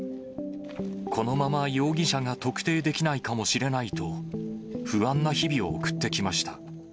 このまま容疑者が特定できないかもしれないと、不安な日々を送ってきました。